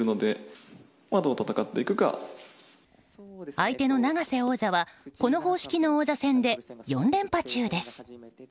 相手の永瀬王座はこの方式の王座戦で４連覇中です。